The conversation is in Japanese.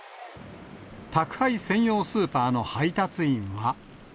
宅配専用スーパーの配達員は。